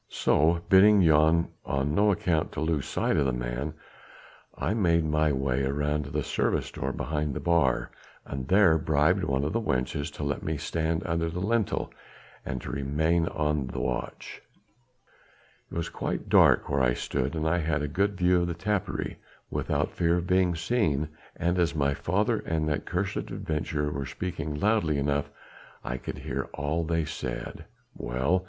So, bidding Jan on no account to lose sight of the man, I made my way round to the service door behind the bar, and there bribed one of the wenches to let me stand under the lintel and to remain on the watch. It was quite dark where I stood and I had a good view of the tapperij without fear of being seen, and as my father and that cursed adventurer were speaking loudly enough I could hear all that they said." "Well?"